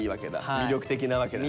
魅力的なわけだね。